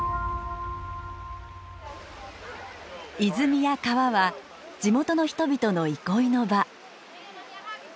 泉や川は地元の人々の憩いの場。